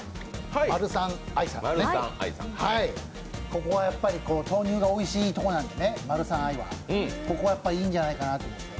ここはやっぱり豆乳のおいしいとこなんでね、マルサンアイはここはいいんじゃないかなと思って。